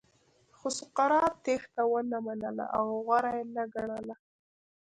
خو سقراط تېښته ونه منله او غوره یې نه ګڼله.